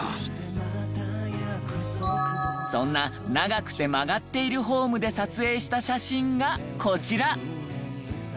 そんな長くて曲がっているホームで撮影した写真がこちら。